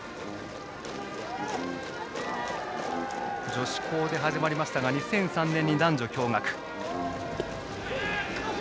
女子校で始まりましたが２００３年に男女共学。